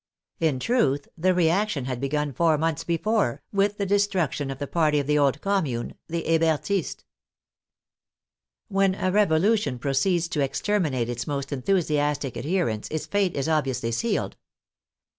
In truth, the reaction had begun four months before, with the de struction of the party of the old Commune — the Heber tists. When a Revolution proceeds to exterminate its most enthusiastic adherents its fate is obviously sealed.